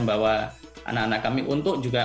membawa anak anak kami untuk juga